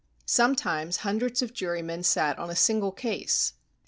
Sometimes hundreds of jurymen sat on a single case.